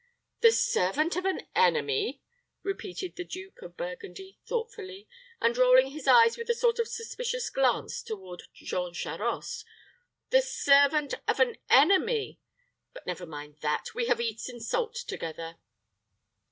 "The servant of an enemy!" repeated the Duke of Burgundy, thoughtfully, and rolling his eyes with a sort of suspicious glance toward Jean Charost. "The servant of an enemy! But never mind that; we have eaten salt together."